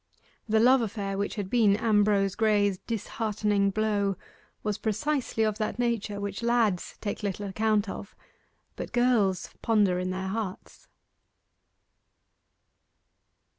The love affair which had been Ambrose Graye's disheartening blow was precisely of that nature which lads take little account of, but girls ponder in their hearts.